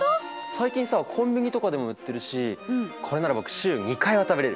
最近さコンビニとかでも売ってるしこれなら僕週２回は食べれる。